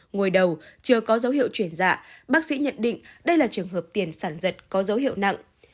ngồi đầu chưa có dấu hiệu chuyển dạ bác sĩ nhận định đây là trường hợp tiền sản giật có dấu hiệu nặng